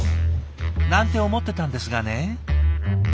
なんて思ってたんですがね。